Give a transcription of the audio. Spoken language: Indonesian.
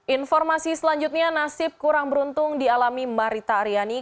informasi selanjutnya nasib kurang beruntung dialami marita aryani